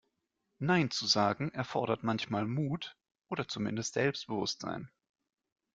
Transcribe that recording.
Nein zu sagen, erfordert manchmal Mut oder zumindest Selbstbewusstsein.